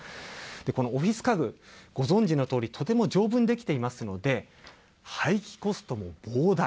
このオフィス家具、ご存じのとおり、とても丈夫に出来ていますので、廃棄コストも膨大。